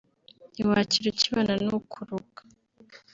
ntiwakira ukibana n’ukuroga